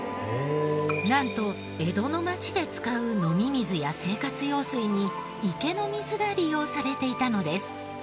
なんと江戸の町で使う飲み水や生活用水に池の水が利用されていたのです。